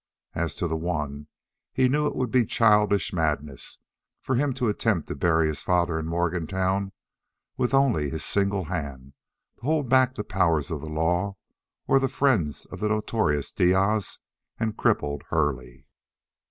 As to the one, he knew it would be childish madness for him to attempt to bury his father in Morgantown with only his single hand to hold back the powers of the law or the friends of the notorious Diaz and crippled Hurley.